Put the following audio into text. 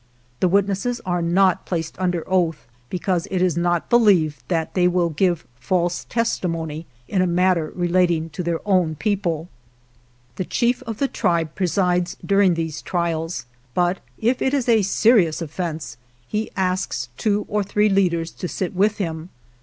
The witnesses are not placed under oath, because it is not believed that they will give false testimony in a mat ter relating to their own people. 185 GERONIMO The chief of the tribe presides during these trials, but if it is a serious offense he asks two or three leaders to sit with him.